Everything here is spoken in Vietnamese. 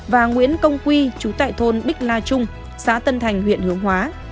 và nguyễn công quy chú tại thôn bích la trung xã tân thành huyện hướng hóa